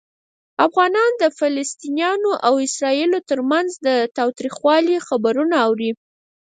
افغانان د فلسطینیانو او اسرائیلیانو ترمنځ د تاوتریخوالي خبرونه اوري.